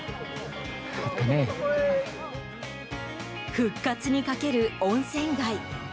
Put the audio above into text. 復活にかける温泉街。